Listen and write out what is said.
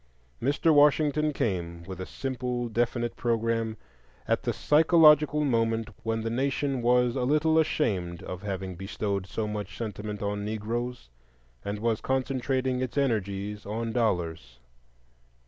Mr. Washington came, with a simple definite programme, at the psychological moment when the nation was a little ashamed of having bestowed so much sentiment on Negroes, and was concentrating its energies on Dollars.